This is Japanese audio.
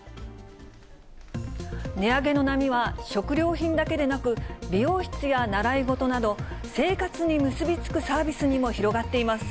値上げの波は食料品だけでなく、美容室や習い事など、生活に結び付くサービスにも広がっています。